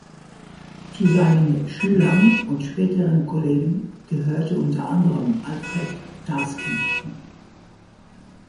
Zu seinen Schülern und späteren Kollegen gehörte unter anderem Alfred Tarski.